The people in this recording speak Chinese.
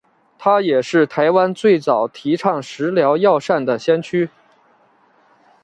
他也是台湾最早提倡食疗药膳的先驱。